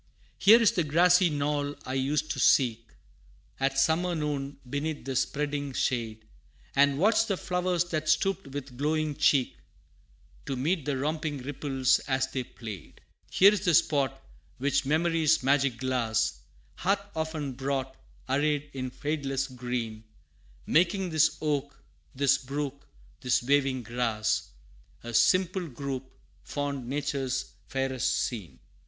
Here is the grassy knoll I used to seek At summer noon, beneath the spreading shade, And watch the flowers that stooped with glowing cheek, To meet the romping ripples as they played. Here is the spot which memory's magic glass Hath often brought, arrayed in fadeless green, Making this oak, this brook, this waving grass A simple group fond Nature's fairest scene.